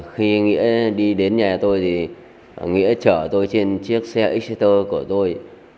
khi đi đến nhà tôi thì nghĩa chở tôi trên chiếc xe xe tơ của tôi